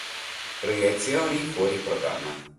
Proiezioni fuori programma.